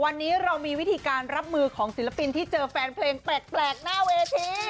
วันนี้เรามีวิธีการรับมือของศิลปินที่เจอแฟนเพลงแปลกหน้าเวที